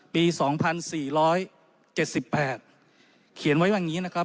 ปีสองพันสี่ร้อยเจ็ดสิบแปดเขียนไว้ว่างงี้นะครับ